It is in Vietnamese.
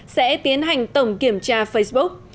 sẽ tiến hành tổng kiểm tra facebook